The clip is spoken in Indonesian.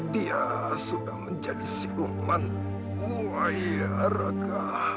dia sudah menjadi siluman waya raka